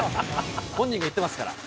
本人が言ってますから。